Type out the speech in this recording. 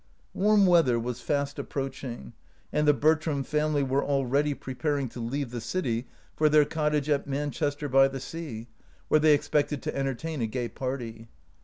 Warm weather was fast approaching, and the Bertram family were already preparing 208 OUT OF BOHEMIA to leave the city for their cottage at Man chester by the Sea, where they expected to entertain a gay party.